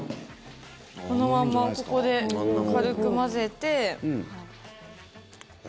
このままここで軽く混ぜて。